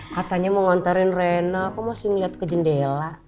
katanya mau nganterin rena kok masih ngeliat ke jendela